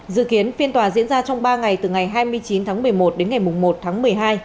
dự kiến phiên tòa diễn ra trong ba ngày từ ngày hai mươi chín tháng một mươi một đến ngày một tháng một mươi hai